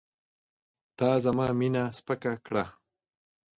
تا زما مینه سپکه کړه.